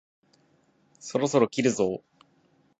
そろそろ切るぞ？